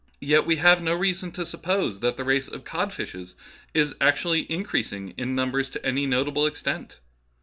Yet we have no reason to suppose that the race of codfishes is ac tually increasing in numbers to any notable ex tent.